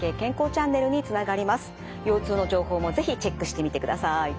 腰痛の情報も是非チェックしてみてください。